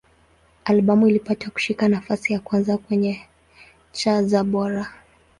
Albamu ilipata kushika nafasi ya kwanza kwenye cha za Bora.